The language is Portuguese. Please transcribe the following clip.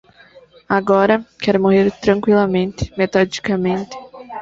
Agora, quero morrer tranqüilamente, metodicamente